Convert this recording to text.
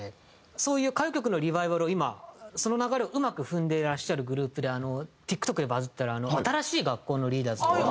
そういう歌謡曲のリバイバルを今その流れをうまく踏んでいらっしゃるグループでＴｉｋＴｏｋでバズってる新しい学校のリーダーズ。